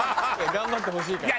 頑張ってほしいからね。